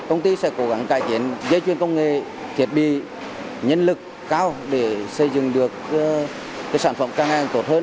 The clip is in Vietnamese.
công ty sẽ cố gắng cải thiện dây chuyên công nghệ thiệt bị nhân lực cao để xây dựng được sản phẩm căng hàng tốt hơn